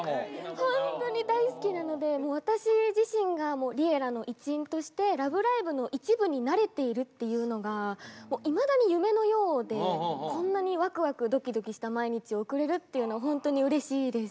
ほんとに大好きなのでもう私自身がＬｉｅｌｌａ！の一員として「ラブライブ！」の一部になれているっていうのがもういまだに夢のようでこんなにワクワクドキドキした毎日を送れるっていうのほんとにうれしいです。